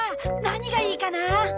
何がいいかな？